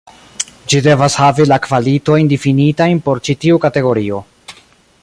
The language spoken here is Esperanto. Ĝi devas havi la kvalitojn difinitajn por ĉi tiu kategorio.